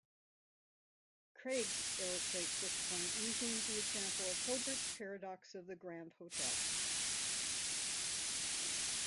Craig illustrates this point using the example of Hilbert's paradox of the Grand Hotel.